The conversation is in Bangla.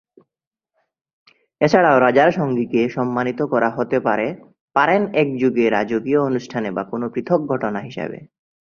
এছাড়াও, রাজার সঙ্গীকে সম্মানিত করা হতে পারে পারেন একযোগে রাজকীয় অনুষ্ঠানে বা কোনো পৃথক ঘটনা হিসাবে।